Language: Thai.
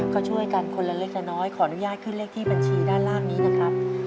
ก็ช่วยกันคนละเล็กละน้อยขออนุญาตขึ้นเลขที่บัญชีด้านล่างนี้นะครับ